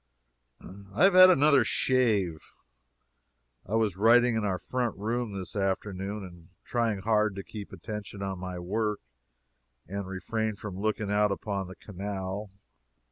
I have had another shave. I was writing in our front room this afternoon and trying hard to keep my attention on my work and refrain from looking out upon the canal.